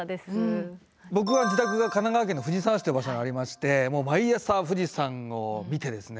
僕は自宅が神奈川県の藤沢市って場所にありまして毎朝富士山を見てですね